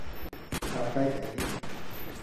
炸雞髀